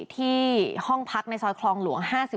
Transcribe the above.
ที่ห้องพักในซอยคลองหลวง๕๔